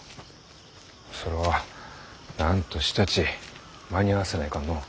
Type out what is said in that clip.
それはなんとしたち間に合わせないかんのう。